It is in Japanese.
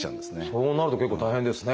そうなると結構大変ですね。